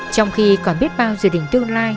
trong khi còn biết bao dự định tương lai